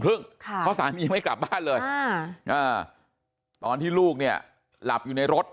เพราะสามียังไม่กลับบ้านเลยตอนที่ลูกเนี่ยหลับอยู่ในรถ